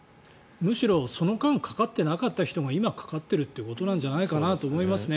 むしろその間かかってなかった人が今かかっているということなのかなと思いますね。